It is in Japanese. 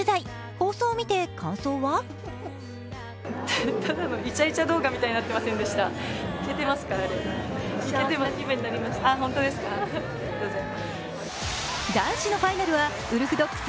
放送を見て感想は男子のファイナルはウルフドッグス